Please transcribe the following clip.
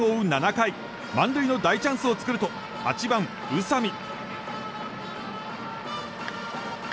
７回満塁の大チャンスを作ると８番、宇佐見。